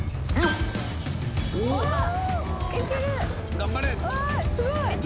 頑張れ！